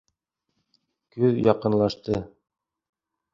Көҙ яҡынлашты.